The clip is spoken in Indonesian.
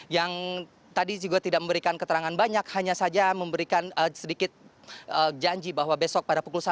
yang tadi juga tidak memberikan keterangan banyak hanya saja memberikan sedikit janji bahwa besok pada pukul satu